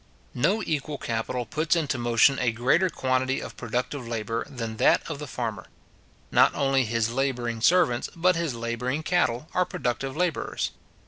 No equal capital puts into motion a greater quantity of productive labour than that of the farmer. Not only his labouring servants, but his labouring cattle, are productive labourers.